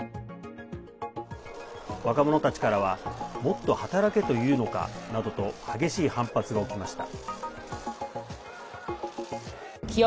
若者たちからはもっと働けというのかなどと激しい反発が起きました。